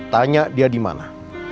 tanya dia dimana